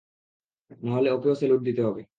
না হলে ওকেও স্যালুট দিতে হবে!